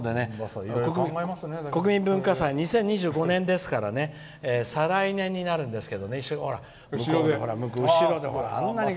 国民文化祭、２０２５年ですから再来年になるんですが。